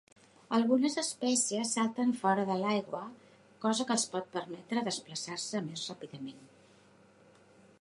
Algunes espècies salten fora de l'aigua, cosa que els pot permetre desplaçar-se més ràpidament.